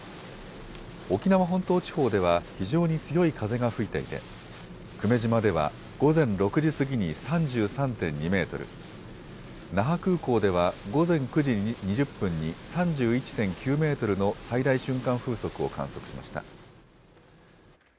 沖縄本島地方では非常に強い風が吹いていて久米島では午前６時過ぎに３３．２メートル、那覇空港では午前９時２０分に３１．９メートルの最大瞬間風速を観測しました。